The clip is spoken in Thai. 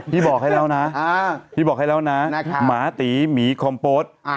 บอกให้แล้วนะพี่บอกให้แล้วนะหมาตีหมีคอมโปส